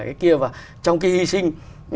cái kia vào trong khi hy sinh